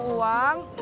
mimite perlu uang